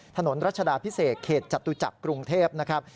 รัชดาพิเศษเขตจตุจักรกรุงเทพนะครับ